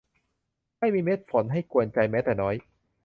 ไม่มีเม็ดฝนให้กวนใจแม้แต่น้อย